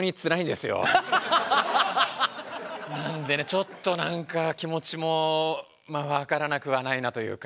なんでねちょっと何か気持ちも分からなくはないなというか。